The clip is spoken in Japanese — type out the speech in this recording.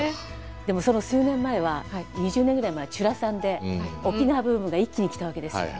でもその数年前は２０年ぐらい前は「ちゅらさん」で沖縄ブームが一気に来たわけですよ。